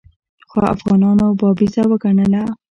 خو افغانانو بابیزه وګڼله.